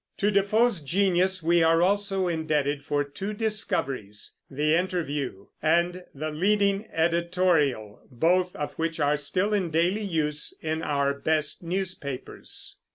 To Defoe's genius we are also indebted for two discoveries, the "interview" and the leading editorial, both of which are still in daily use in our best newspapers.